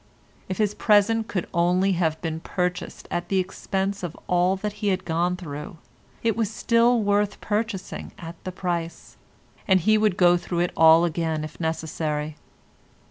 If his present could only have been purchased at the expense of all that he had gone through, it was still worth purchasing at the price, and he would go through it all again if necessary.